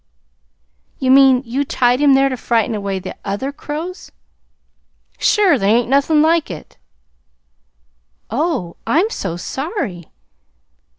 "You mean, you tied him there to frighten away the other crows?" "Sure! There ain't nothin' like it." "Oh, I'm so sorry!"